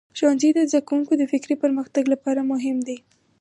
ښوونځی د زده کوونکو د فکري پرمختګ لپاره مهم دی.